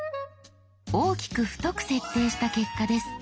大きく太く設定した結果です。